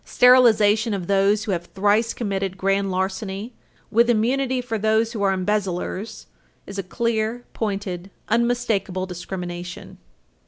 Sterilization of those who have thrice committed grand larceny, with immunity for those who are embezzlers, is a clear, pointed, unmistakable discrimination.